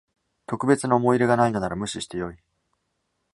特別な思い入れがないのなら無視してよい